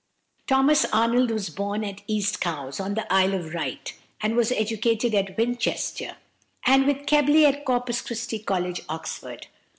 =Thomas Arnold (1795 1842)= was born at East Cowes, in the Isle of Wight, and was educated at Winchester, and with Keble at Corpus Christi College, Oxford.